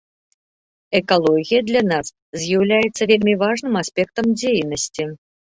Экалогія для нас з'яўляецца вельмі важным аспектам дзейнасці.